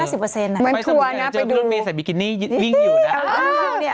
เหมือนทัวร์นะไปดูฮือไปสมมุติแพ้เจอที่รถเมียใส่บิกินี่วิ่งอยู่นะ